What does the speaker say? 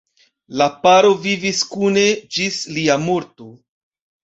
La paro vivis kune ĝis lia morto.